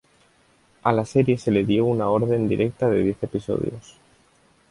A la serie se le dio una orden directa de diez episodios.